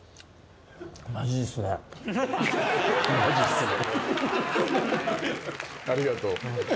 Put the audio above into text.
「マジっすね」